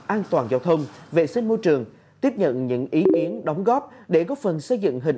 an toàn giao thông vệ sinh môi trường tiếp nhận những ý kiến đóng góp để góp phần xây dựng hình